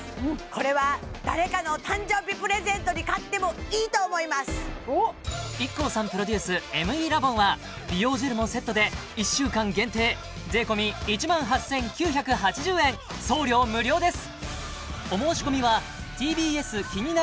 これはＩＫＫＯさんプロデュースＭＥラボンは美容ジェルもセットで１週間限定税込１万８９８０円送料無料です